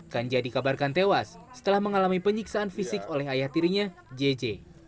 kanja dikabarkan tewas setelah mengalami penyiksaan fisik oleh ayah tirinya jj